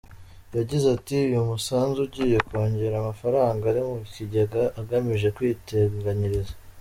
Yagize ati " Uyu musanzu ugiye kongera amafaranga ari mu kigega agamije kwiteganyiriza.